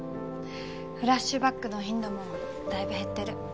フラッシュバックの頻度も大分減ってる。